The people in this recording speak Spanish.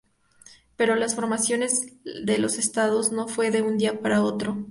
Pero la formación de los estados no fue de un día para el otro.